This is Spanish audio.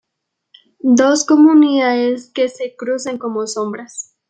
Dos comunidades que se cruzan como sombras.